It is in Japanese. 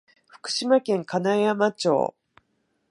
福島県金山町